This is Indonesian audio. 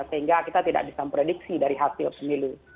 sehingga kita tidak bisa memprediksi dari hasil pemilu